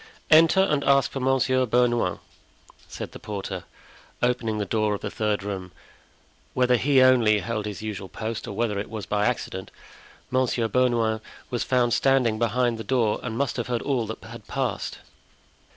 "Enter, and ask for Monsieur Bernouin," said the porter, opening the door of the third room. Whether he only held his usual post or whether it was by accident, Monsieur Bernouin was found standing behind the door and must have heard all that had passed.